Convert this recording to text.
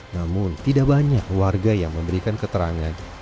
namun tidak banyak warga yang memberikan keterangan